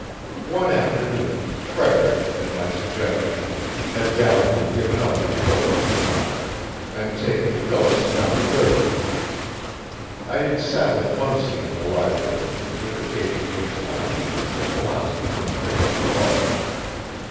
One afternoon Frederick, at my suggestion, had gallantly given up his work in the office and taken Phyllis down the river. I sat with Bunsey in the library, and took occasion to expound to him the philosophy of perfect love.